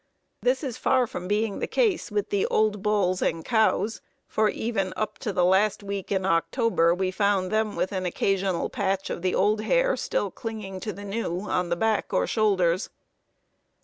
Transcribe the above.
This is far from being the case with the old bulls and cows, for even up to the last week in October we found them with an occasional patch of the old hair still clinging to the new, on the back or shoulders.